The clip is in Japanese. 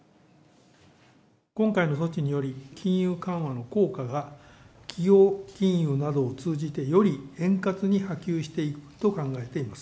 今回の措置により、金融緩和の効果が、企業金融などを通じて、より円滑に波及していくと考えています。